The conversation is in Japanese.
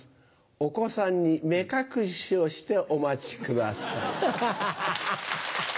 お子さんに目隠しをしてお待ち下さい。